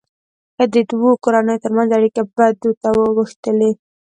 که د دوو کورنيو ترمنځ اړیکې بدو ته اوښتلې.